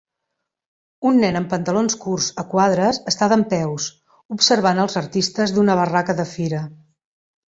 un nen amb pantalons curts a quadres està dempeus, observant els artistes d'una barraca de fira.